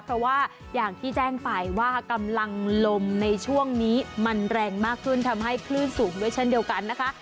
เพราะว่าอย่างที่แจ้งไปว่ากำลังลมในช่วงนี้มันแรงมากขึ้นทำให้คลื่นสูงด้วยเช่นเดียวกันนะคะ